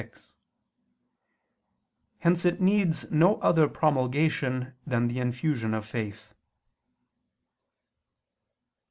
Hence it needs no other promulgation that the infusion of faith.